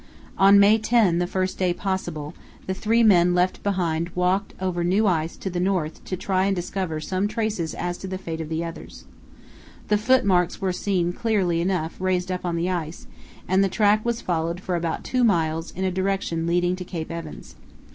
On May 10, the first day possible, the three men left behind walked over new ice to the north to try and discover some trace as to the fate of the others. The footmarks were seen clearly enough raised up on the ice, and the track was followed for about two miles in a direction leading to Cape Evans.